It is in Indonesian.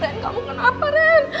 ren kamu kenapa ren